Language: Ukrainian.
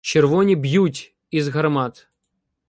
Червоні б'ють із гармат.